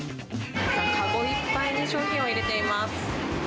籠いっぱいに商品を入れています。